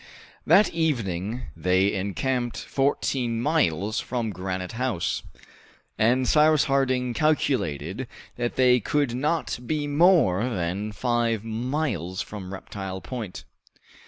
That evening they encamped fourteen miles from Granite House, and Cyrus Harding calculated that they could not be more than five miles from Reptile Point.